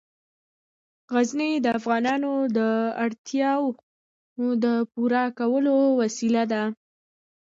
غزني د افغانانو د اړتیاوو د پوره کولو وسیله ده.